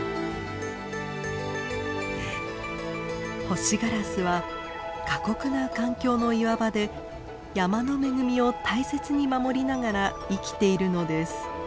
ホシガラスは過酷な環境の岩場で山の恵みを大切に守りながら生きているのです。